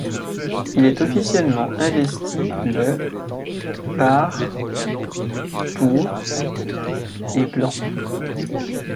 Il est officiellement investi le par pour et blancs.